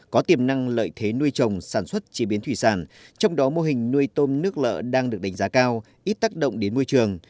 có tiềm năng lợi thế nuôi trồng sản xuất chế biến thủy sản trong đó mô hình nuôi tôm nước lợ đang được đánh giá cao ít tác động đến môi trường